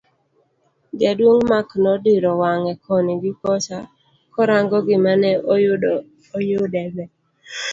Jaduong' Mark nodiro wang'e koni gi kocha korango gima ne oyude no.